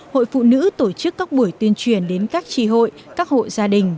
hội phụ nữ tổ chức các buổi tuyên truyền đến các tri hội các hộ gia đình